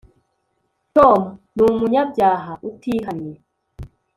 tom numunyabyaha utihannye